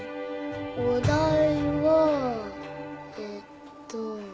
お題はえっと。